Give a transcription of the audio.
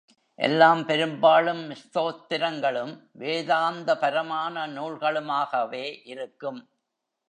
எல்லாம் பெரும்பாலும் ஸ்தோத்திரங்களும் வேதாந்தபரமான நூல்களுமாகவே இருக்கும்.